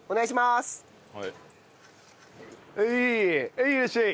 はいいらっしゃい。